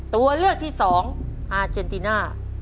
ตัวเลือกที่สองอาเจนติน่า